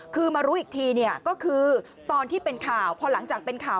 คือมารู้อีกทีเนี่ยก็คือตอนที่เป็นข่าวพอหลังจากเป็นข่าว